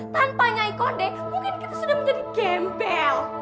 tanpa nyai kode mungkin kita sudah menjadi gembel